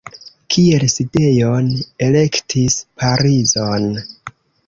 Kiel sidejon elektis Parizon.